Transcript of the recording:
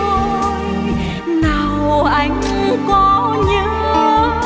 anh đi rồi anh có những tình yêu